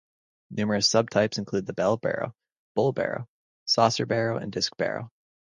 Numerous subtypes include the bell barrow, bowl barrow, saucer barrow and disc barrow.